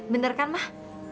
bener kan mbak